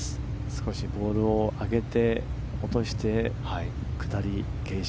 少しボールを上げて落として下り傾斜。